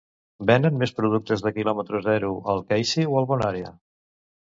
Venen més productes de quilòmetre zero al Keisy o al BonÀrea?